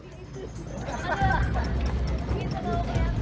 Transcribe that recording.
kekejaksaan negeri jakarta timur